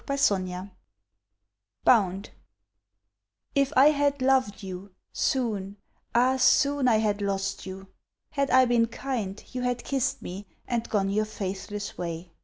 Vigils BOUND If I had loved you, soon, ah, soon I had lost you. Had I been kind you had kissed me and gone your faithless way.